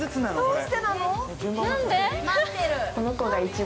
どうしてなの？